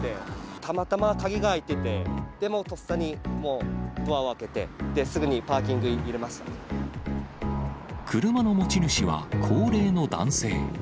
たまたま鍵が開いてて、で、とっさに、もうドアを開けて、車の持ち主は高齢の男性。